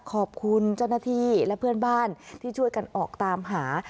ขอบคุณเจ้าหน้าที่และเพื่อนบ้านที่ช่วยกันออกตามหา